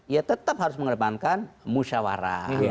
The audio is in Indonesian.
ya tetap harus mengedepankan musyawarah